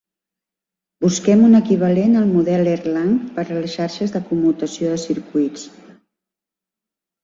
Busquem un equivalent al model Erlang per a les xarxes de commutació de circuits.